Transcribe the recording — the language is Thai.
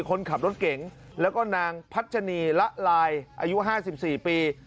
คนขับรถเก่งแล้วก็นางพัชนีละลายอายุห้าสิบสี่ปี